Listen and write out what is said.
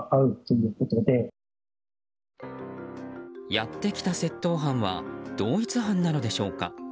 やってきた窃盗犯は同一犯なのでしょうか。